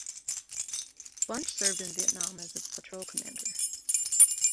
Bunch served in Vietnam as a patrol commander.